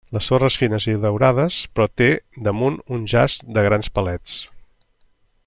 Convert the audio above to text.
Les sorres fines i daurades però té damunt un jaç de grans palets.